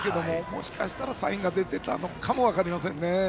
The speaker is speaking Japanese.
もしかしたらサインが出ていたのかもしれませんね。